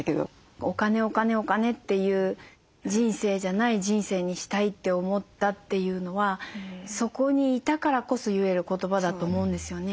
お金お金お金という人生じゃない人生にしたいって思ったというのはそこにいたからこそ言える言葉だと思うんですよね。